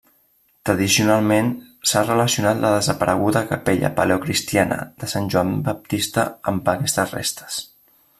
Tradicionalment, s'ha relacionat la desapareguda capella paleocristiana de Sant Joan Baptista amb aquestes restes.